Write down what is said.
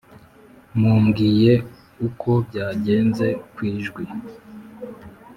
mumbwiye uko byagenze kwijwi"